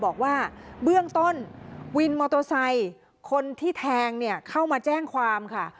บอกว่าเบื้องต้นวินมอเตอร์ไซค์คนที่แทงเนี่ยเข้ามาแจ้งความค่ะ